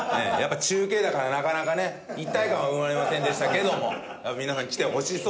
中継だからなかなかね一体感は生まれませんでしたけれども皆さん来てほしそうですよ